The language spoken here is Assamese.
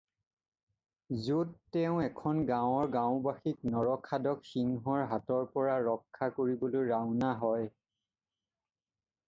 য'ত তেওঁ এখন গাঁৱৰ গাঁওবাসীক নৰখাদক সিংহৰ হাতৰ পৰা ৰক্ষা কৰিবলৈ ৰাওনা হয়।